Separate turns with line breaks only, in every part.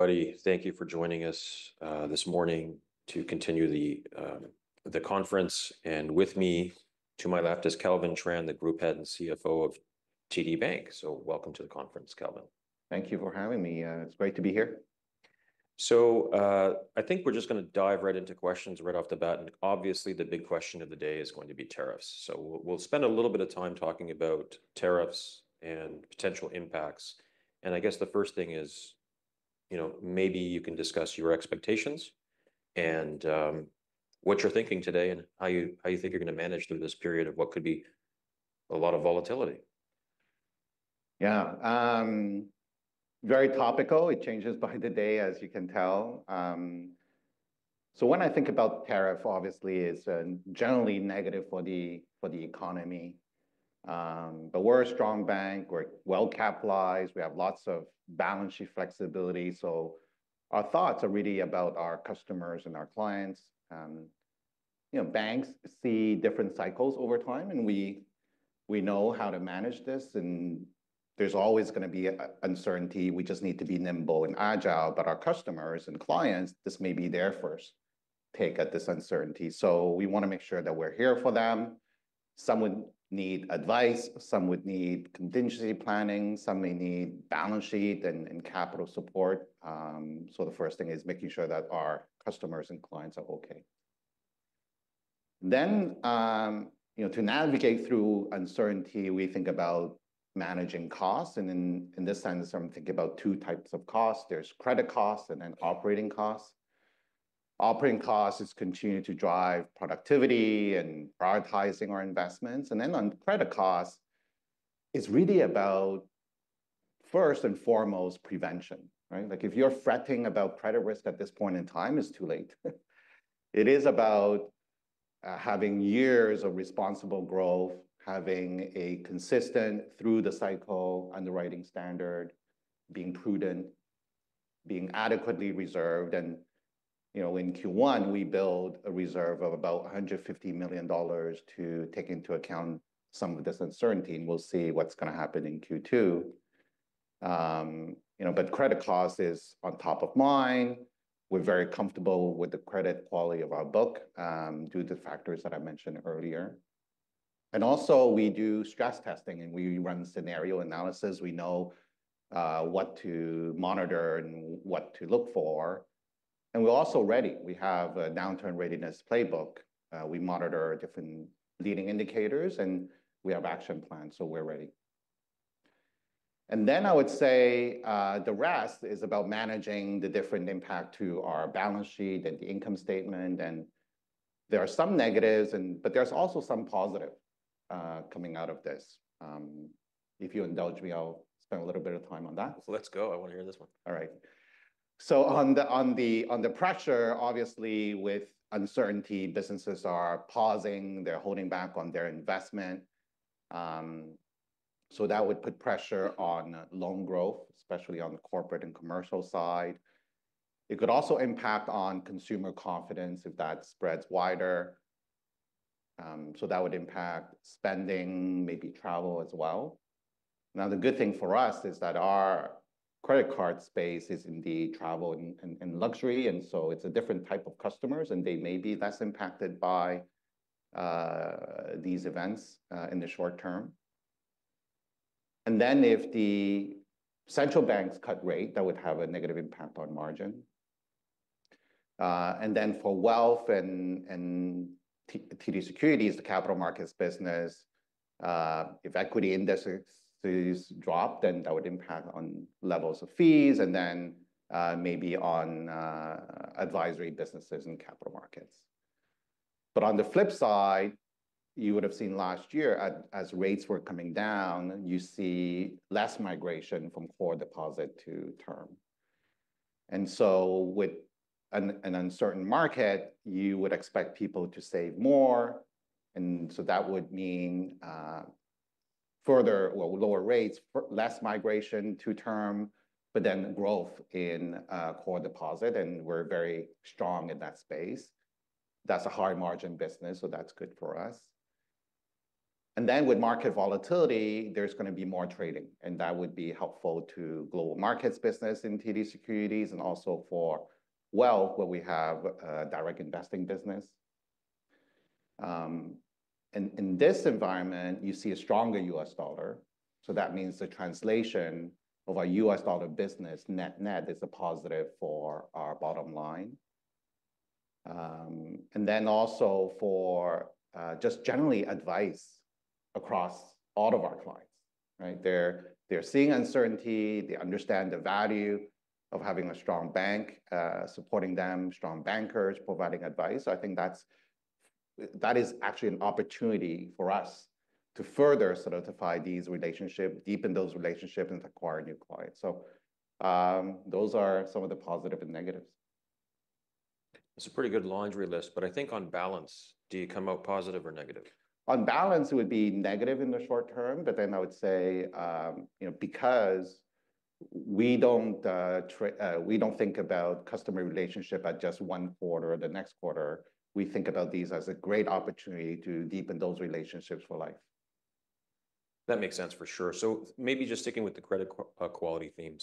Thank you for joining us this morning to continue the conference. And with me to my left is Kelvin Tran, the Group Head and CFO of TD Bank. So welcome to the conference, Kelvin.
Thank you for having me. It's great to be here.
So I think we're just going to dive right into questions right off the bat. And obviously, the big question of the day is going to be tariffs. So we'll spend a little bit of time talking about tariffs and potential impacts. And I guess the first thing is, you know, maybe you can discuss your expectations and what you're thinking today and how you think you're going to manage through this period of what could be a lot of volatility.
Yeah, very topical. It changes by the day, as you can tell. So when I think about tariff, obviously, it's generally negative for the economy. But we're a strong bank. We're well-capitalized. We have lots of balance sheet flexibility. So our thoughts are really about our customers and our clients. You know, banks see different cycles over time, and we know how to manage this, and there's always going to be uncertainty. We just need to be nimble and agile, but our customers and clients, this may be their first take at this uncertainty. So we want to make sure that we're here for them. Some would need advice. Some would need contingency planning. Some may need balance sheet and capital support. So the first thing is making sure that our customers and clients are okay, then, you know, to navigate through uncertainty, we think about managing costs. In this sense, I'm thinking about two types of costs. There's credit costs and then operating costs. Operating costs continue to drive productivity and prioritizing our investments. Then on credit costs, it's really about, first and foremost, prevention, right? Like if you're fretting about credit risk at this point in time, it's too late. It is about having years of responsible growth, having a consistent through-the-cycle underwriting standard, being prudent, being adequately reserved. You know, in Q1, we built a reserve of about 150 million dollars to take into account some of this uncertainty. We'll see what's going to happen in Q2. You know, but credit costs is on top of mind. We're very comfortable with the credit quality of our book due to the factors that I mentioned earlier. Also, we do stress testing, and we run scenario analysis. We know what to monitor and what to look for, and we're also ready. We have a downturn readiness playbook. We monitor different leading indicators, and we have action plans, so we're ready, and then I would say the rest is about managing the different impact to our balance sheet and the income statement, and there are some negatives, but there's also some positive coming out of this. If you indulge me, I'll spend a little bit of time on that.
Let's go. I want to hear this one.
All right, so on the pressure, obviously, with uncertainty, businesses are pausing. They're holding back on their investment, so that would put pressure on loan growth, especially on the corporate and commercial side. It could also impact on consumer confidence if that spreads wider, so that would impact spending, maybe travel as well. Now, the good thing for us is that our credit card space is indeed travel and luxury, and so it's a different type of customers, and they may be less impacted by these events in the short term, and then if the central banks cut rate, that would have a negative impact on margin, and then for Wealth and TD Securities, the capital markets business, if equity indexes drop, then that would impact on levels of fees and then maybe on advisory businesses and capital markets. But on the flip side, you would have seen last year, as rates were coming down, you see less migration from core deposit to term. And so with an uncertain market, you would expect people to save more. And so that would mean further or lower rates, less migration to term, but then growth in core deposit. And we're very strong in that space. That's a high margin business, so that's good for us. And then with market volatility, there's going to be more trading. And that would be helpful to Global Markets business in TD Securities and also for wealth, where we have a direct investing business. And in this environment, you see a stronger U.S. dollar. So that means the translation of our U.S. dollar business net-net is a positive for our bottom line. And then also for just generally advice across all of our clients, right? They're seeing uncertainty. They understand the value of having a strong bank supporting them, strong bankers providing advice. So I think that is actually an opportunity for us to further solidify these relationships, deepen those relationships, and acquire new clients. So those are some of the positives and negatives.
That's a pretty good laundry list. But I think on balance, do you come out positive or negative?
On balance, it would be negative in the short term, but then I would say, you know, because we don't think about customer relationship at just one quarter or the next quarter, we think about these as a great opportunity to deepen those relationships for life.
That makes sense for sure. So maybe just sticking with the credit quality theme.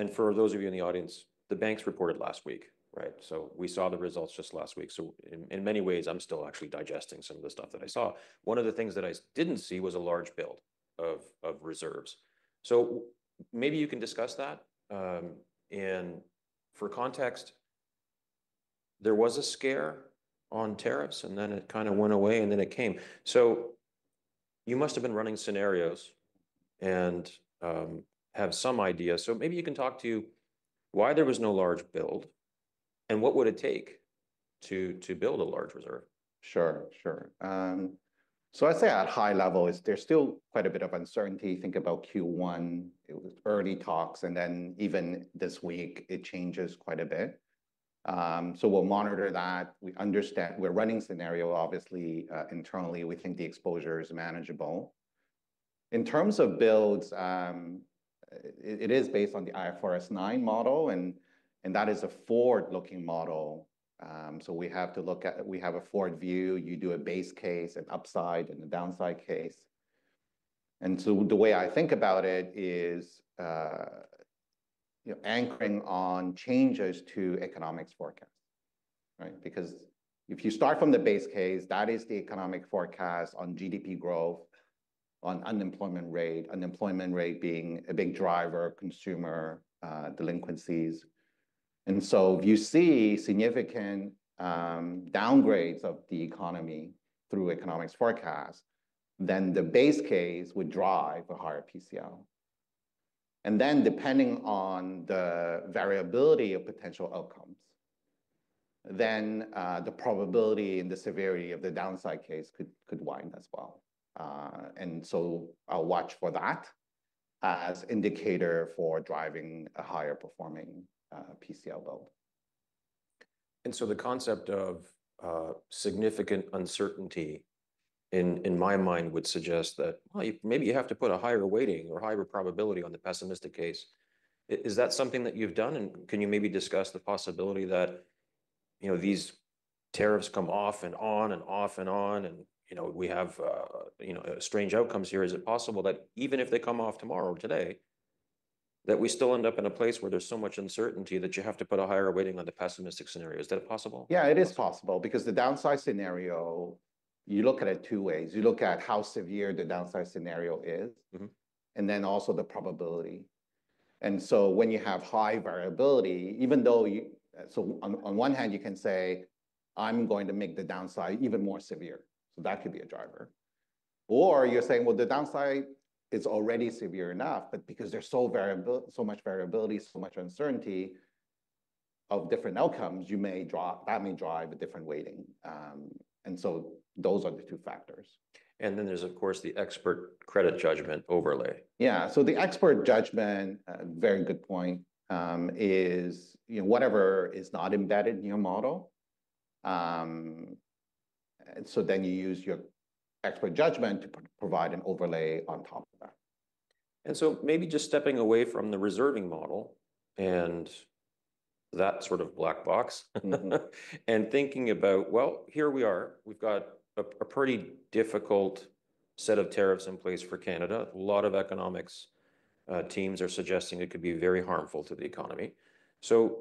And for those of you in the audience, the banks reported last week, right? So we saw the results just last week. So in many ways, I'm still actually digesting some of the stuff that I saw. One of the things that I didn't see was a large build of reserves. So maybe you can discuss that. And for context, there was a scare on tariffs, and then it kind of went away, and then it came. So you must have been running scenarios and have some idea. So maybe you can talk to why there was no large build and what would it take to build a large reserve?
Sure, sure. So I'd say at high level, there's still quite a bit of uncertainty. Think about Q1. It was early talks, and then even this week, it changes quite a bit, so we'll monitor that. We're running scenario, obviously, internally. We think the exposure is manageable. In terms of builds, it is based on the IFRS 9 model, and that is a forward-looking model, so we have to look at. We have a forward view. You do a base case, an upside, and a downside case, and so the way I think about it is anchoring on changes to economic forecasts, right? Because if you start from the base case, that is the economic forecast on GDP growth, on unemployment rate, unemployment rate being a big driver, consumer delinquencies. If you see significant downgrades of the economy through economic forecasts, then the base case would drive a higher PCL. Then depending on the variability of potential outcomes, the probability and the severity of the downside case could widen as well. I'll watch for that as an indicator for driving a higher-performing PCL build.
And so the concept of significant uncertainty, in my mind, would suggest that maybe you have to put a higher weighting or higher probability on the pessimistic case. Is that something that you've done? And can you maybe discuss the possibility that, you know, these tariffs come off and on and off and on, and we have strange outcomes here? Is it possible that even if they come off tomorrow or today, that we still end up in a place where there's so much uncertainty that you have to put a higher weighting on the pessimistic scenario? Is that possible?
Yeah, it is possible. Because the downside scenario, you look at it two ways. You look at how severe the downside scenario is and then also the probability. And so when you have high variability, even though so on one hand, you can say, I'm going to make the downside even more severe. So that could be a driver. Or you're saying, well, the downside is already severe enough. But because there's so much variability, so much uncertainty of different outcomes, that may drive a different weighting. And so those are the two factors.
And then there's, of course, the expert credit judgment overlay.
Yeah, so the expert judgment, very good point, is whatever is not embedded in your model, and so then you use your expert judgment to provide an overlay on top of that.
And so maybe just stepping away from the reserving model and that sort of black box and thinking about, well, here we are. We've got a pretty difficult set of tariffs in place for Canada. A lot of economics teams are suggesting it could be very harmful to the economy. So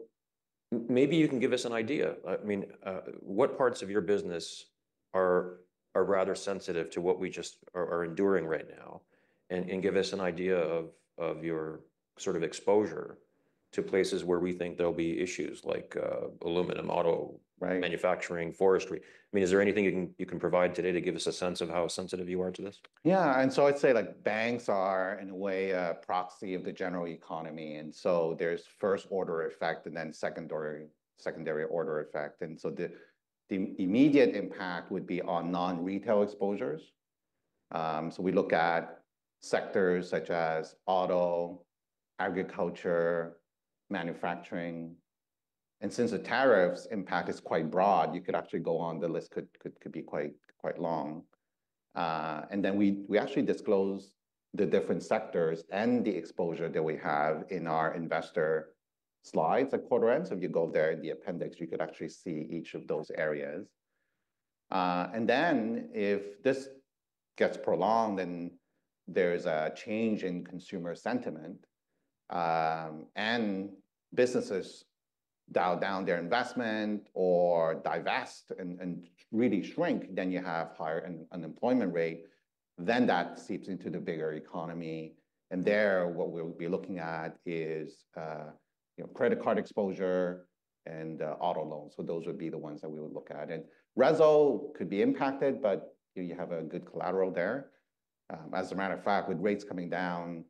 maybe you can give us an idea. I mean, what parts of your business are rather sensitive to what we just are enduring right now? And give us an idea of your sort of exposure to places where we think there'll be issues like aluminum, auto manufacturing, forestry. I mean, is there anything you can provide today to give us a sense of how sensitive you are to this?
Yeah. And so I'd say, like, banks are, in a way, a proxy of the general economy. And so there's first-order effect and then secondary order effect. And so the immediate impact would be on non-retail exposures. So we look at sectors such as auto, agriculture, manufacturing. And since the tariffs impact is quite broad, you could actually go on. The list could be quite long. And then we actually disclose the different sectors and the exposure that we have in our investor slides at quarter end. So if you go there in the appendix, you could actually see each of those areas. And then if this gets prolonged and there's a change in consumer sentiment and businesses dial down their investment or divest and really shrink, then you have higher unemployment rate. Then that seeps into the bigger economy. And there, what we'll be looking at is credit card exposure and auto loans. So those would be the ones that we would look at. And REO could be impacted, but you have a good collateral there. As a matter of fact, with rates coming down,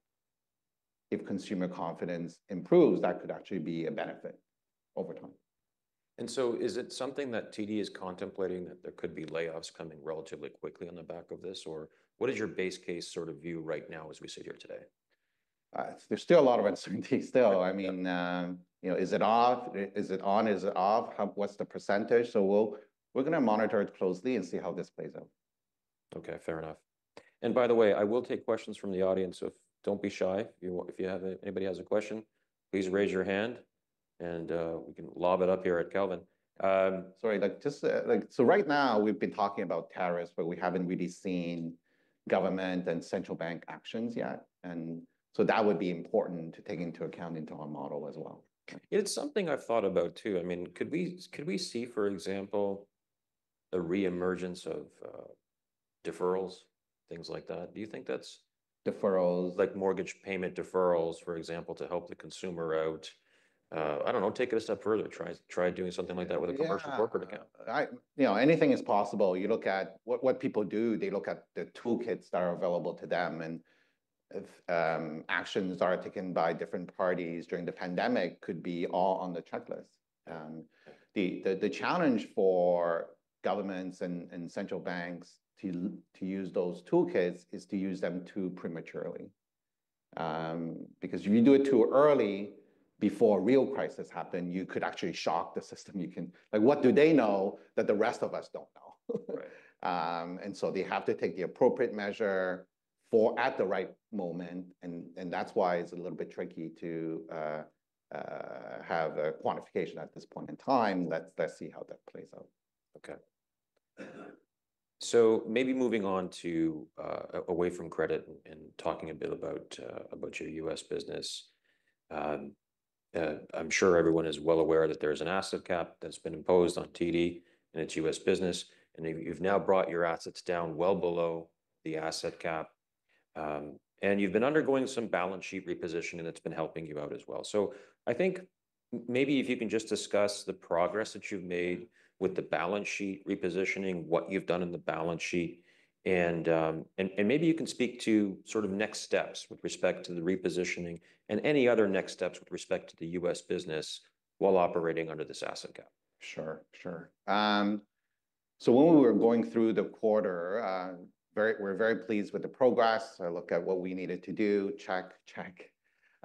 if consumer confidence improves, that could actually be a benefit over time.
And so is it something that TD is contemplating that there could be layoffs coming relatively quickly on the back of this? Or what is your base case sort of view right now as we sit here today?
There's still a lot of uncertainty still. I mean, is it off? Is it on? Is it off? What's the percentage? So we're going to monitor it closely and see how this plays out.
OK, fair enough. And by the way, I will take questions from the audience. Don't be shy. If anybody has a question, please raise your hand. And we can lob it up here at Kelvin.
Sorry. So right now, we've been talking about tariffs, but we haven't really seen government and central bank actions yet. And so that would be important to take into account our model as well.
It's something I've thought about, too. I mean, could we see, for example, a reemergence of deferrals, things like that? Do you think that's? Deferrals, like mortgage payment deferrals, for example, to help the consumer out? I don't know. Take it a step further. Try doing something like that with a commercial corporate account.
Anything is possible. You look at what people do. They look at the toolkits that are available to them, and if actions are taken by different parties during the pandemic, it could be all on the checklist. The challenge for governments and central banks to use those toolkits is to use them too prematurely. Because if you do it too early before a real crisis happens, you could actually shock the system. Like, what do they know that the rest of us don't know?, and so they have to take the appropriate measure at the right moment, and that's why it's a little bit tricky to have a quantification at this point in time. Let's see how that plays out.
OK. So maybe moving on away from credit and talking a bit about your U.S. business. I'm sure everyone is well aware that there's an asset cap that's been imposed on TD and its U.S. business. And you've now brought your assets down well below the asset cap. And you've been undergoing some balance sheet repositioning that's been helping you out as well. So I think maybe if you can just discuss the progress that you've made with the balance sheet repositioning, what you've done in the balance sheet. And maybe you can speak to sort of next steps with respect to the repositioning and any other next steps with respect to the U.S. business while operating under this asset cap.
Sure, sure. So when we were going through the quarter, we were very pleased with the progress. I looked at what we needed to do, check, check.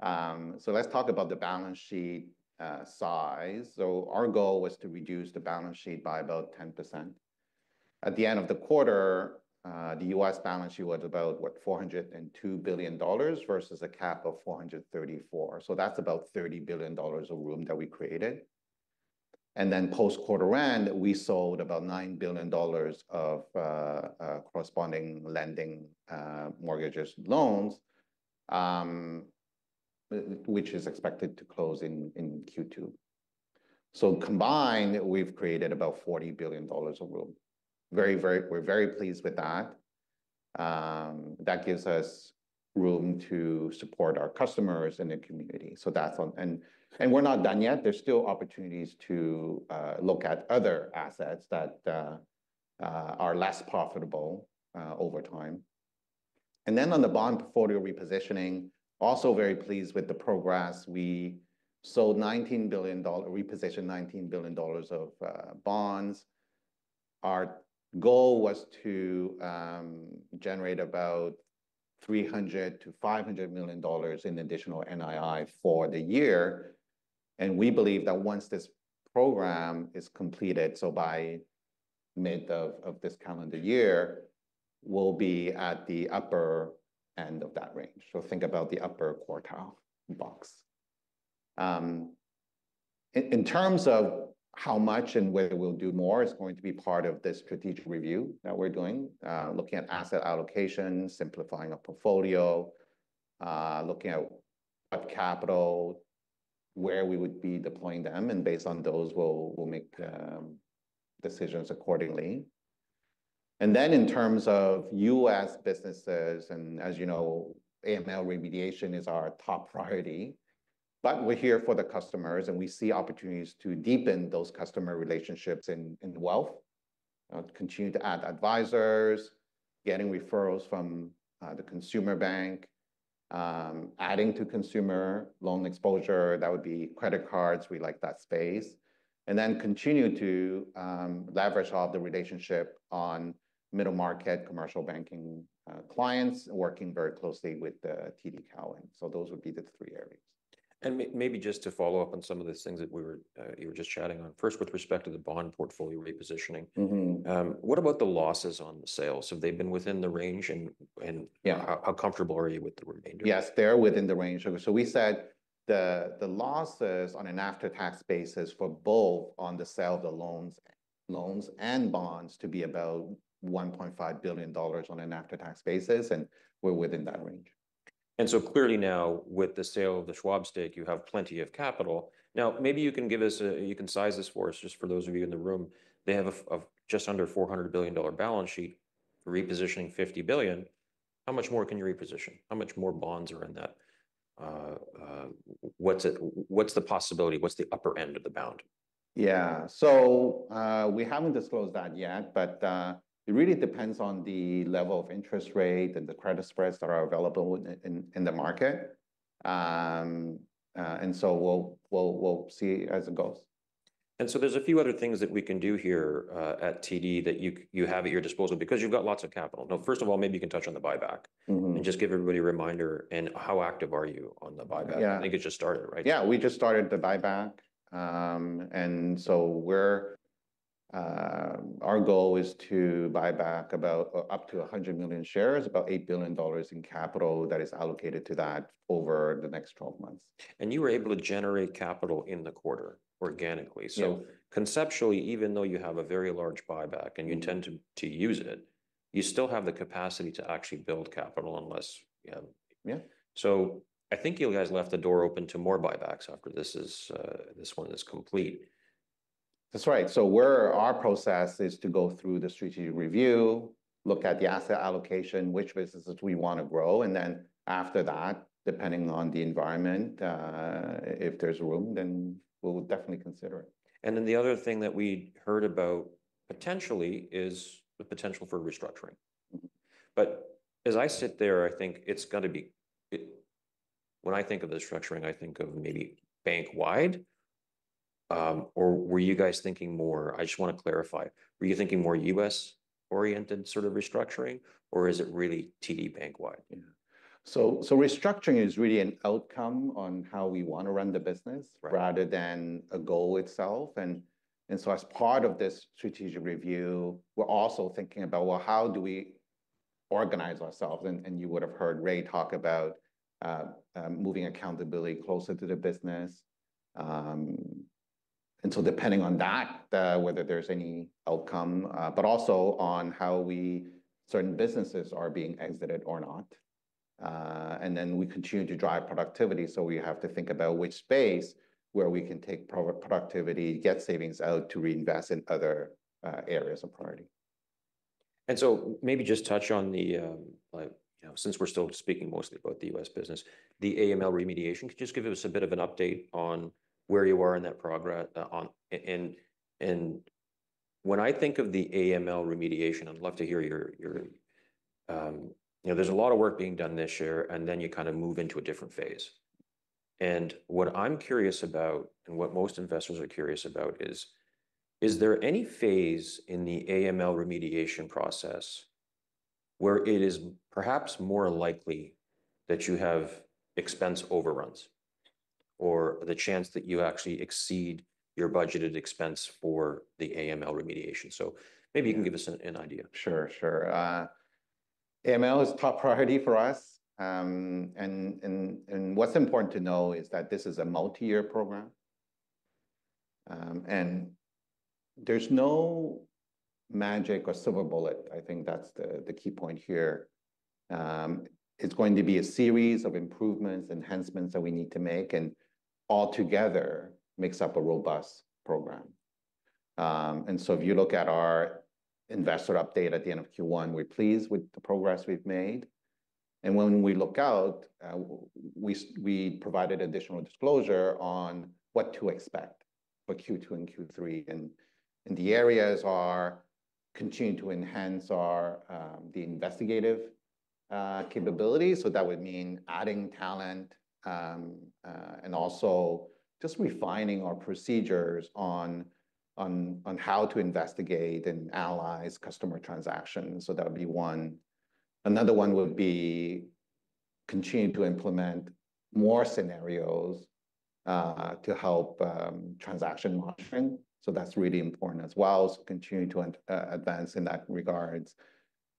So let's talk about the balance sheet size. So our goal was to reduce the balance sheet by about 10%. At the end of the quarter, the U.S. balance sheet was about, what, $402 billion versus a cap of $434. So that's about $30 billion of room that we created. And then post-quarter end, we sold about $9 billion of corresponding lending, mortgages, loans, which is expected to close in Q2. So combined, we've created about $40 billion of room. We're very pleased with that. That gives us room to support our customers and the community. And we're not done yet. There's still opportunities to look at other assets that are less profitable over time. And then on the bond portfolio repositioning, also very pleased with the progress. We sold $19 billion, repositioned $19 billion of bonds. Our goal was to generate about $300-$500 million in additional NII for the year. And we believe that once this program is completed, so by mid of this calendar year, we'll be at the upper end of that range. So think about the upper quartile box. In terms of how much and whether we'll do more, it's going to be part of this strategic review that we're doing, looking at asset allocation, simplifying a portfolio, looking at what capital, where we would be deploying them. And based on those, we'll make decisions accordingly. And then in terms of U.S. businesses, and as you know, AML remediation is our top priority. But we're here for the customers. And we see opportunities to deepen those customer relationships and wealth. Continue to add advisors, getting referrals from the consumer bank, adding to consumer loan exposure. That would be credit cards. We like that space. And then continue to leverage all of the relationship on middle market commercial banking clients, working very closely with TD Cowen. So those would be the three areas.
And maybe just to follow up on some of the things that you were just chatting on, first with respect to the bond portfolio repositioning, what about the losses on the sales? Have they been within the range? And how comfortable are you with the remainder?
Yes, they're within the range. So we said the losses on an after-tax basis for both on the sale of the loans and bonds to be about $1.5 billion on an after-tax basis. And we're within that range.
And so clearly now, with the sale of the Schwab stake, you have plenty of capital. Now, maybe you can give us. You can size this for us, just for those of you in the room. They have just under $400 billion balance sheet, repositioning $50 billion. How much more can you reposition? How much more bonds are in that? What's the possibility? What's the upper end of the upper bound?
Yeah. So we haven't disclosed that yet. But it really depends on the level of interest rate and the credit spreads that are available in the market. And so we'll see as it goes.
And so there's a few other things that we can do here at TD that you have at your disposal because you've got lots of capital. Now, first of all, maybe you can touch on the buyback and just give everybody a reminder. And how active are you on the buyback? I think it just started, right?
Yeah, we just started the buyback, and so our goal is to buy back about up to 100 million shares, about $8 billion in capital that is allocated to that over the next 12 months.
You were able to generate capital in the quarter organically. Conceptually, even though you have a very large buyback and you intend to use it, you still have the capacity to actually build capital unless you have. I think you guys left the door open to more buybacks after this one is complete.
That's right. So our process is to go through the strategic review, look at the asset allocation, which businesses we want to grow. And then after that, depending on the environment, if there's room, then we'll definitely consider it.
And then the other thing that we heard about potentially is the potential for restructuring. But as I sit there, I think it's going to be. When I think of the structuring, I think of maybe bank-wide. Or were you guys thinking more? I just want to clarify. Were you thinking more U.S.-oriented sort of restructuring? Or is it really TD Bank-wide?
Yeah. So restructuring is really an outcome on how we want to run the business rather than a goal itself. And so as part of this strategic review, we're also thinking about, well, how do we organize ourselves? And you would have heard Ray talk about moving accountability closer to the business. And so depending on that, whether there's any outcome, but also on how certain businesses are being exited or not. And then we continue to drive productivity. So we have to think about which space where we can take productivity, get savings out to reinvest in other areas of priority.
And so, maybe just touch on, since we're still speaking mostly about the U.S. business, the AML remediation. Could you just give us a bit of an update on where you are in that progress? And when I think of the AML remediation, I'd love to hear your. There's a lot of work being done this year. And then you kind of move into a different phase. And what I'm curious about, and what most investors are curious about, is there any phase in the AML remediation process where it is perhaps more likely that you have expense overruns or the chance that you actually exceed your budgeted expense for the AML remediation? So maybe you can give us an idea.
Sure, sure. AML is top priority for us. And what's important to know is that this is a multi-year program. And there's no magic or silver bullet. I think that's the key point here. It's going to be a series of improvements, enhancements that we need to make. And all together, it makes up a robust program. And so if you look at our investor update at the end of Q1, we're pleased with the progress we've made. And when we look out, we provided additional disclosure on what to expect for Q2 and Q3. And the areas are continue to enhance the investigative capability. So that would mean adding talent and also just refining our procedures on how to investigate and analyze customer transactions. So that would be one. Another one would be continue to implement more scenarios to help transaction monitoring. So that's really important as well. So continue to advance in that regards.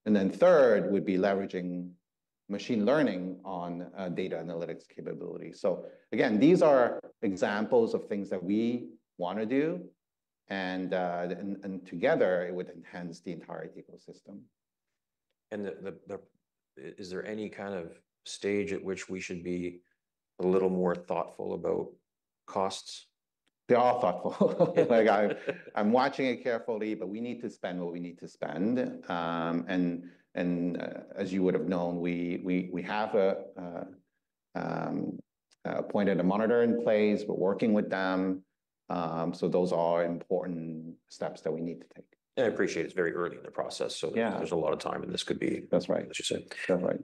And then third would be leveraging machine learning on data analytics capability. So again, these are examples of things that we want to do. And together, it would enhance the entire ecosystem.
Is there any kind of stage at which we should be a little more thoughtful about costs?
They are thoughtful. I'm watching it carefully. But we need to spend what we need to spend. And as you would have known, we have appointed a monitoring entity. We're working with them. So those are important steps that we need to take.
I appreciate it. It's very early in the process. So there's a lot of time, and this could be.
That's right.
As you said.
That's right.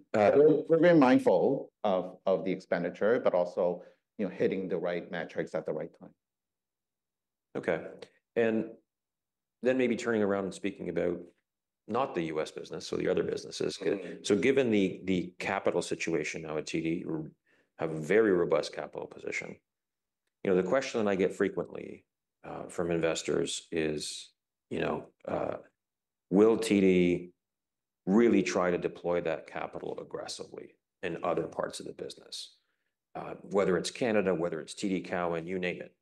We're very mindful of the expenditure, but also hitting the right metrics at the right time.
OK. And then maybe turning around and speaking about not the U.S. business, so the other businesses. So given the capital situation now at TD, you have a very robust capital position. The question that I get frequently from investors is, will TD really try to deploy that capital aggressively in other parts of the business, whether it's Canada, whether it's TD Cowen, you name it?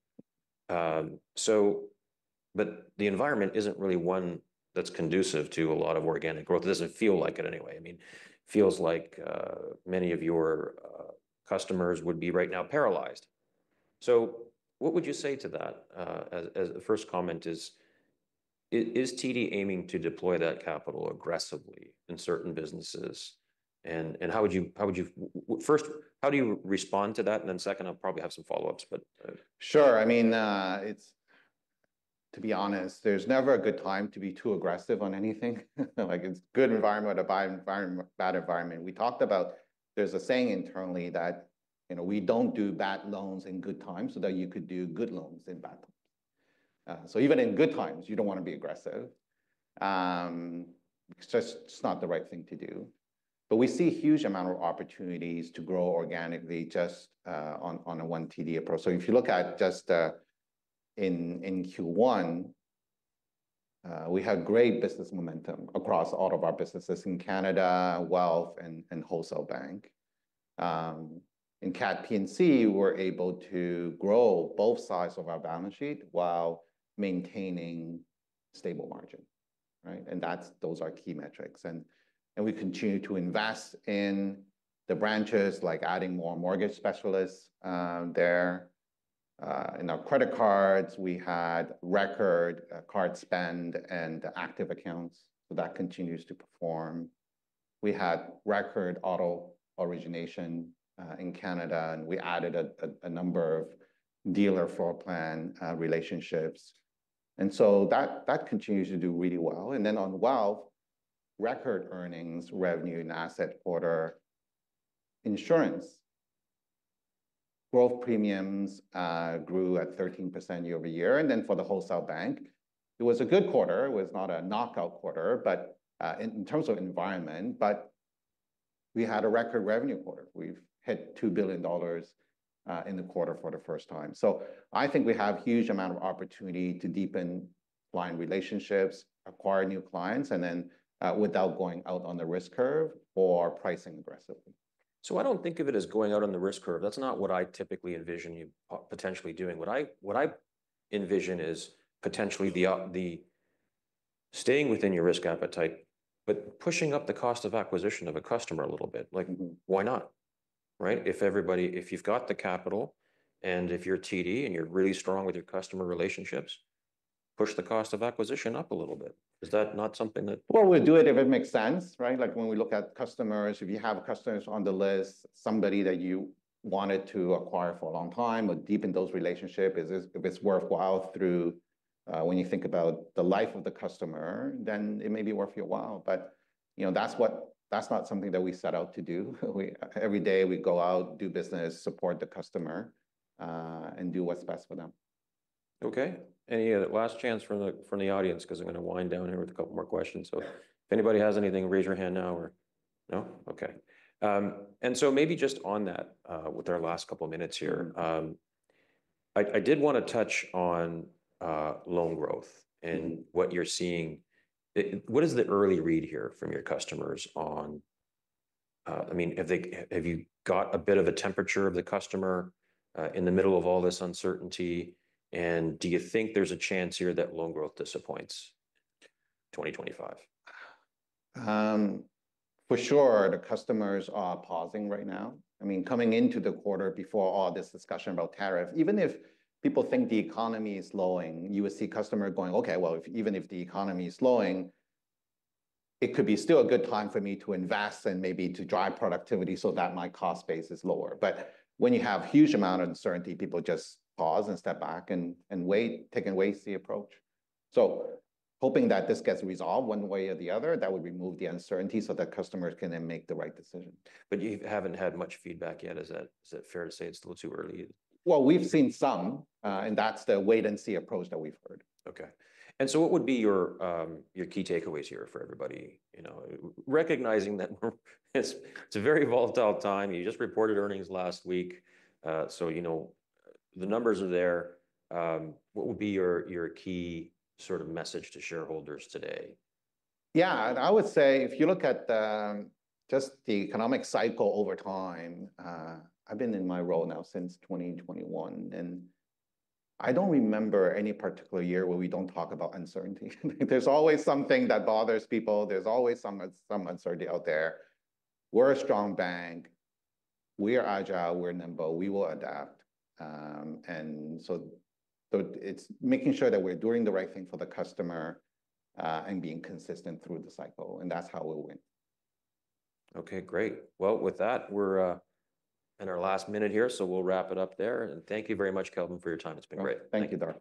But the environment isn't really one that's conducive to a lot of organic growth. It doesn't feel like it anyway. I mean, it feels like many of your customers would be right now paralyzed. So what would you say to that? The first comment is, is TD aiming to deploy that capital aggressively in certain businesses? And how would you first, how do you respond to that? And then second, I'll probably have some follow-ups.
Sure. I mean, to be honest, there's never a good time to be too aggressive on anything. It's a good environment, a bad environment. We talked about there's a saying internally that we don't do bad loans in good times so that you could do good loans in bad times. So even in good times, you don't want to be aggressive. It's just not the right thing to do. But we see a huge amount of opportunities to grow organically just on a One TD approach. So if you look at just in Q1, we had great business momentum across all of our businesses in Canada, Wealth, and Wholesale Bank. In Can P&C, we're able to grow both sides of our balance sheet while maintaining a stable margin. And those are key metrics. And we continue to invest in the branches, like adding more mortgage specialists there. In our credit cards, we had record card spend and active accounts, so that continues to perform. We had record auto origination in Canada and we added a number of dealer floor plan relationships, and so that continues to do really well and then on Wealth, record earnings, revenue, and assets quarter. Insurance growth premiums grew at 13% year over year and then for the Wholesale Bank, it was a good quarter. It was not a knockout quarter in terms of environment, but we had a record revenue quarter. We've hit $2 billion in the quarter for the first time, so I think we have a huge amount of opportunity to deepen client relationships, acquire new clients, and then without going out on the risk curve or pricing aggressively.
So I don't think of it as going out on the risk curve. That's not what I typically envision you potentially doing. What I envision is potentially staying within your risk appetite, but pushing up the cost of acquisition of a customer a little bit. Why not? If you've got the capital, and if you're TD, and you're really strong with your customer relationships, push the cost of acquisition up a little bit. Is that not something that.
Well, we'll do it if it makes sense. Like when we look at customers, if you have customers on the list, somebody that you wanted to acquire for a long time or deepen those relationships, if it's worthwhile, true when you think about the life of the customer, then it may be worth your while. But that's not something that we set out to do. Every day, we go out, do business, support the customer, and do what's best for them.
OK. Any last chance from the audience? Because I'm going to wind down here with a couple more questions. So if anybody has anything, raise your hand now. No? OK. And so maybe just on that, with our last couple of minutes here, I did want to touch on loan growth and what you're seeing. What is the early read here from your customers on, I mean, have you got a bit of a temperature of the customer in the middle of all this uncertainty? And do you think there's a chance here that loan growth disappoints 2025?
For sure, the customers are pausing right now. I mean, coming into the quarter before all this discussion about tariff, even if people think the economy is slowing, you would see customers going, OK, well, even if the economy is slowing, it could be still a good time for me to invest and maybe to drive productivity so that my cost base is lower. But when you have a huge amount of uncertainty, people just pause and step back and take a wait-and-see approach. So hoping that this gets resolved one way or the other, that would remove the uncertainty so that customers can then make the right decision.
But you haven't had much feedback yet. Is that fair to say it's still too early?
Well, we've seen some. And that's the wait-and-see approach that we've heard.
OK. And so what would be your key takeaways here for everybody? Recognizing that it's a very volatile time, you just reported earnings last week. So the numbers are there. What would be your key sort of message to shareholders today?
Yeah. I would say if you look at just the economic cycle over time, I've been in my role now since 2021. And I don't remember any particular year where we don't talk about uncertainty. There's always something that bothers people. There's always some uncertainty out there. We're a strong bank. We are agile. We're nimble. We will adapt. And so it's making sure that we're doing the right thing for the customer and being consistent through the cycle. And that's how we'll win.
OK, great. Well, with that, we're in our last minute here. So we'll wrap it up there. And thank you very much, Kelvin, for your time. It's been great.
Thank you.